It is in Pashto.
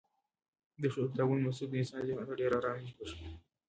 د ښو کتابونو لوستل د انسان ذهن ته ډېره ارامي بښي.